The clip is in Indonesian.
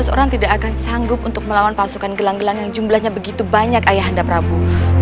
dua belas orang tidak akan sanggup untuk melawan pasukan gelang gelang yang jumlahnya begitu banyak ayah anda prabu